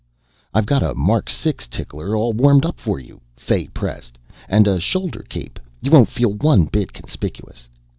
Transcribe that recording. "I've got a Mark 6 tickler all warmed up for you," Fay pressed, "and a shoulder cape. You won't feel one bit conspicuous."